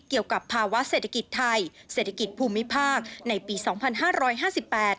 เกี่ยวกับภาวะเศรษฐกิจไทยเศรษฐกิจภูมิภาคในปีสองพันห้าร้อยห้าสิบแปด